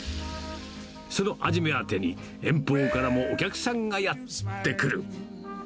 その味目当てに、遠方からもお客さんがやって来る。